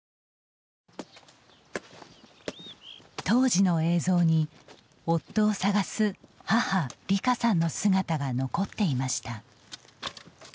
当時の映像に、夫を捜す母・吏佳さんの姿が残っていました。